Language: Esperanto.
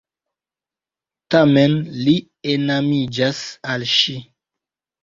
Tamen li enamiĝas al ŝi.